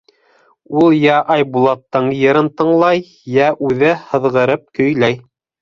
Ул йә Айбулаттың йырын тыңлай, йә үҙе һыҙғырып көйләй.